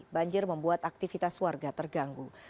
banjir membuat aktivitas warga terganggu